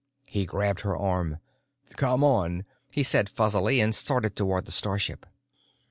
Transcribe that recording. He grabbed her arm. "Come on," he said fuzzily, and started toward the starship.